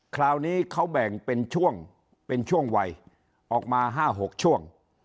คราวนี้เขาแบ่งเป็นช่วงเป็นช่วงวัยออกมา๕๖ช่วง